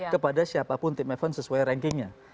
kepada siapapun tim f satu sesuai rankingnya